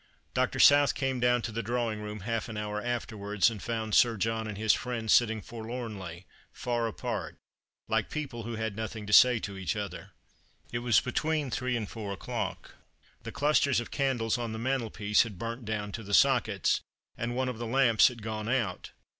Dr. South came down to the drawing room half an hour p 226 The Christmas Hirelings. afterwards, aud foiiud Sir John and his friend sitting forlornly, far apart, like people who had nothing to say to each other. It was between three and fonr o'clock. The clusters of candles on the mantelpiece had Lurnt down to the sockets, and one of the lamps had gone out.